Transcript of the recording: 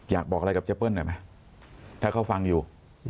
อยากบอกอะไรกับเจเปิ้ลหน่อยไหมถ้าเขาฟังอยู่